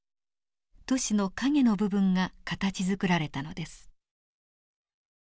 都市の陰の部分が形づくられたのです。